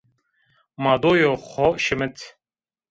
Ma doyê xo şimit